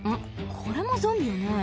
これもゾンビよね。